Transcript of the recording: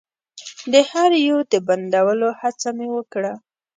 د هر يو د بندولو هڅه مې وکړه.